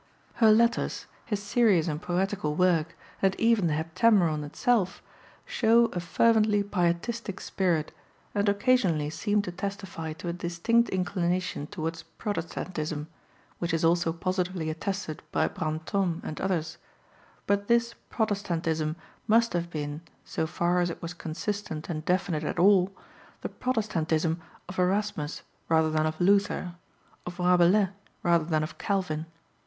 Her letters, her serious and poetical work, and even the Heptameron itself, show a fervently pietistic spirit, and occasionally seem to testify to a distinct inclination towards Protestantism, which is also positively attested by Brantôme and others; but this Protestantism must have been, so far as it was consistent and definite at all, the Protestantism of Erasmus rather than of Luther, of Rabelais rather than of Calvin.